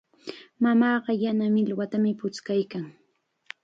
Mamaaqa yana millwatam puchkaykan.